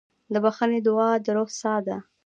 د بښنې دعا د روح ساه ده.